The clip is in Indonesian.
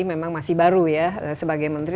memang masih baru ya sebagai menteri